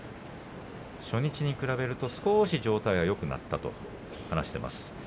初日に比べると少し状態がよくなったと話しています。